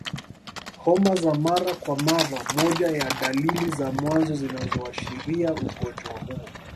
Homa za mara kwa mara moja ya dalili za mwanzo zinazoashiria ugonjwa huo